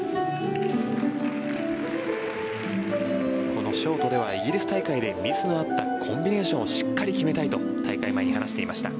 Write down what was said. このショートではイギリス大会でミスのあったコンビネーションをしっかり決めたいと大会前に話していました。